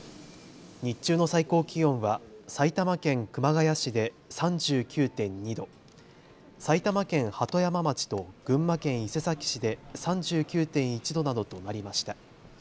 日中の最高気温は埼玉県熊谷市で３９．２度、埼玉県鳩山町と群馬県伊勢崎市で３９．１度などとなりました。